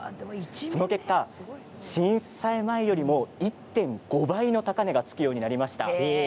その結果、震災前よりも１．５倍の高値がつくようになりました。